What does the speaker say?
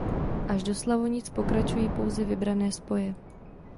Až do Slavonic pokračují pouze vybrané spoje.